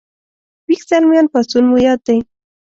ويښ زلميان پاڅون مو یاد دی